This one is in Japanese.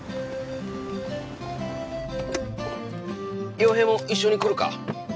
陽平も一緒に来るか？